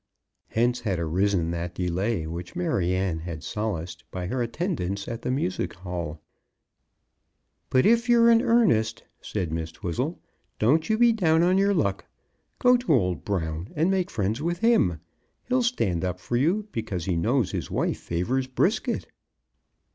Hence had arisen that delay which Maryanne had solaced by her attendance at the music hall. "But if you're in earnest," said Miss Twizzle, "don't you be down on your luck. Go to old Brown, and make friends with him. He'll stand up for you, because he knows his wife favours Brisket."